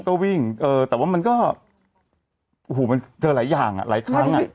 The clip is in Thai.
ก็วิ่งแต่ว่ามันก็เจอหลายอย่างอ่ะหลายครั้ง